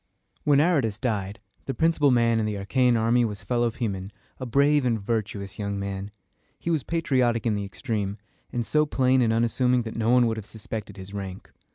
When Aratus died, the principal man in the Achæan army was Phil o poe´men, a brave and virtuous young man. He was patriotic in the extreme, and so plain and unassuming that no one would have suspected his rank.